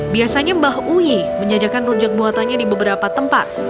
biasanya mbah uyi menjajakan rujak buatannya di beberapa tempat